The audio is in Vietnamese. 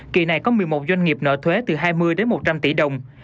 kỳ này có một mươi một doanh nghiệp nợ thuế từ hai mươi đến một trăm linh tỷ đồng